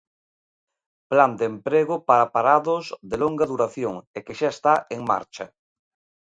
Plan de emprego para parados de longa duración, e que xa está en marcha.